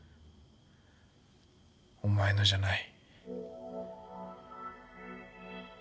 お前のじゃない。